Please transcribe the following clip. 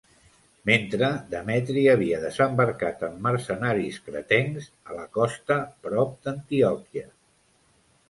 Mentre Demetri havia desembarcat amb mercenaris cretencs a la costa prop d'Antioquia.